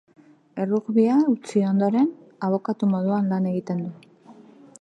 Errugbia utzi ondoren, abokatu moduan lan egiten du.